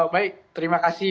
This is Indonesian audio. baik terima kasih